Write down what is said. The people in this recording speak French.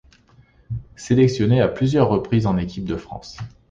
Sélectionné à plusieurs reprises en équipe de France.